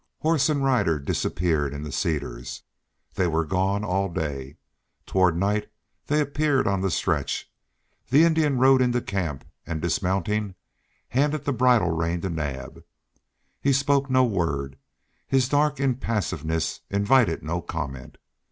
Horse and rider disappeared in the cedars. They were gone all day. Toward night they appeared on the stretch. The Indian rode into camp and, dismounting, handed the bridle rein to Naab. He spoke no word; his dark impassiveness invited no comment.